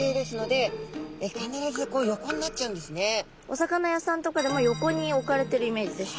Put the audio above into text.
お魚屋さんとかでも横に置かれてるイメージです。